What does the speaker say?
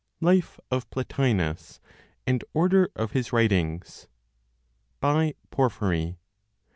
7 Life of Plotinos And Order of his Writings By PORPHYRY.